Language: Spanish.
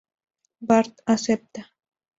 Bart acepta.